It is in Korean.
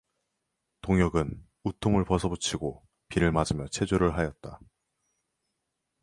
동혁은 웃통을 벗어붙이고 비를 맞으며 체조를 하였다.